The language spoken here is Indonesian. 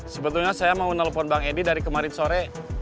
sebetulnya saya mau nelpon bang edi dari kemarin sore